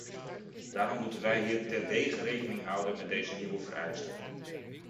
Daarom moeten wij hier terdege rekening houden met deze nieuwe vereisten.